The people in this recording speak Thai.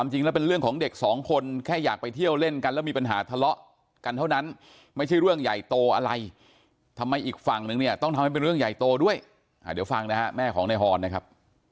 มารอกันเท่านั้นไม่ใช่เรื่องใหญ่โตอะไรทำไมอีกฝั่งหนึ่งเนี่ยต้องทำให้เป็นเรื่องใหญ่โตด้วยเดี๋ยวฟังนะครับแม่ของนายฮรนะครับ